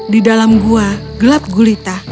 di dalam gua gelap gulita